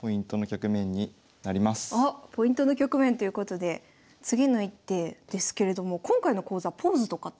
ここがあっポイントの局面ということで次の一手ですけれども今回の講座ポーズとかってあるんですか？